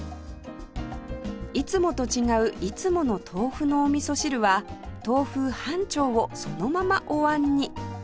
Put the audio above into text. いつもと違ういつもの豆腐のおみそ汁は豆腐半丁をそのままお椀に